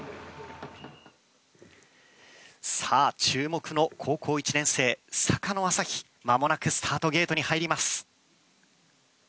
注目の高校１年生・坂野旭飛、間もなくスタートゲートに入ります。